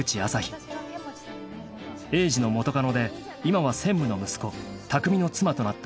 ［栄治の元カノで今は専務の息子］